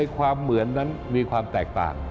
ความเหมือนนั้นมีความแตกต่าง